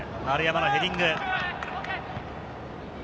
丸山のヘディング。